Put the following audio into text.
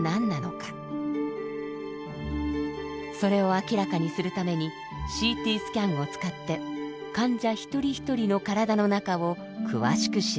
それを明らかにするためにＣＴスキャンを使って患者一人一人の体の中を詳しく調べました。